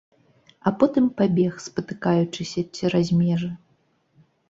А потым пабег, спатыкаючыся, цераз межы.